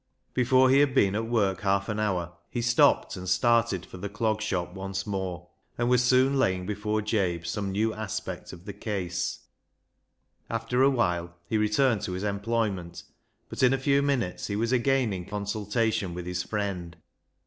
Before he had been at work half an hour, he stopped and started for the Clog Shop once more, and was soon laying before Jabe some new aspect of the case. After a while he returned to his employment, but in a few minutes he was again in consultation with his friend.